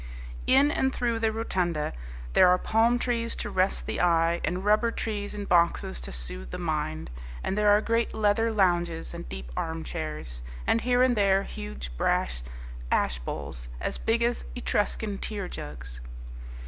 In and through the rotunda there are palm trees to rest the eye and rubber trees in boxes to soothe the mind, and there are great leather lounges and deep armchairs, and here and there huge brass ash bowls as big as Etruscan tear jugs.